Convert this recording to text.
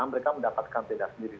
mereka mendapatkan tanda sendiri